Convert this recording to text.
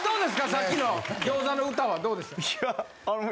さっきの餃子の歌はどうでしょう？